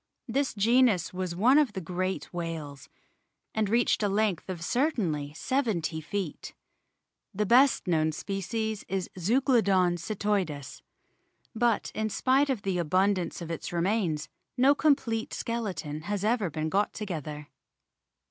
This genus was one of the great whales, and reached a length of certainly seventy feet. The best known species is Zeuglodon cetoides. But in spite of the abundance of its remains no complete skeleton has ever been got too ether.